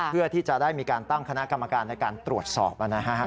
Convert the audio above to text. เพื่อที่จะได้มีการตั้งคณะกรรมการในการตรวจสอบนะฮะ